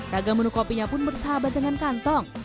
ragam menu kopinya pun bersahabat dengan kantong